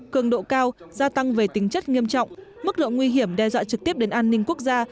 cường độ cao gia tăng về tính chất nghiêm trọng mức độ nguy hiểm đe dọa trực tiếp đến an ninh quốc gia